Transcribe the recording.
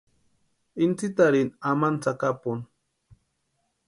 Intsïtarini amani tsakapuni.